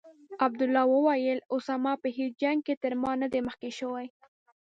عبدالله وویل: اسامه په هیڅ جنګ کې تر ما نه دی مخکې شوی.